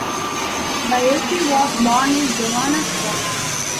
Baiocchi was born in Johannesburg.